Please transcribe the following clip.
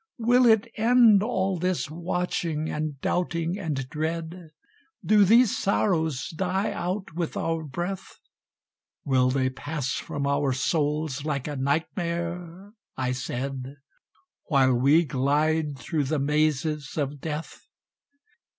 "Will it end all this watching, and doubting, and dread? Do these sorrows die out with our breath? Will they pass from our souls like a nightmare," I said, "While we glide through the mazes of Death?